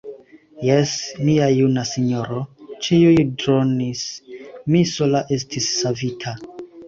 Jes, mia juna sinjoro, ĉiuj dronis; mi sola estis savita.